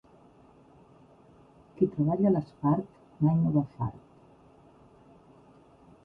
Qui treballa l'espart mai no va fart.